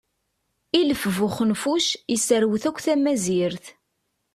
Ilef bu uxenfuc yesserwet akk tamazirt.